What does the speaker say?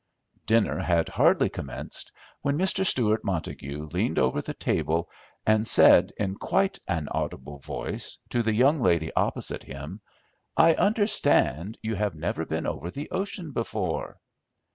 Dinner had hardly commenced when Mr. Stewart Montague leaned over the table and said, in quite an audible voice, to the young lady opposite him, "I understand you have never been over the ocean before?"